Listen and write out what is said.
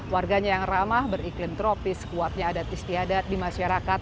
warganya yang ramah beriklim tropis kuatnya adat istiadat di masyarakat